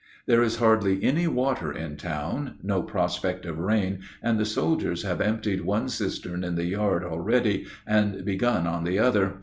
There is hardly any water in town, no prospect of rain, and the soldiers have emptied one cistern in the yard already and begun on the other.